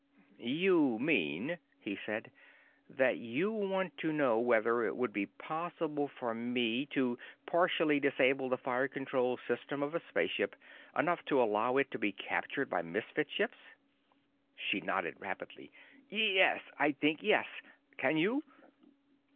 "You mean," he said, "that you want to know whether it would be possible for me to partially disable the fire control system of a spaceship enough to allow it to be captured by Misfit ships?" She nodded rapidly. "Yes ... I think, yes. Can you?"